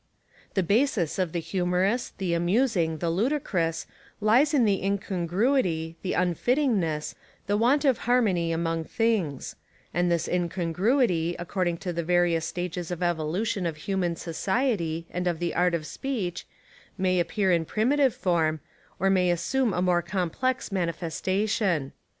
The basis of the humorous, the amusing, the ludicrous, lies in the incongruity, the unfitting ness, the want of harmony among things; and this incongruity, according to the various stages of evolution of human society and of the art of speech, may appear in primitive form, or may assume a more complex manifestation.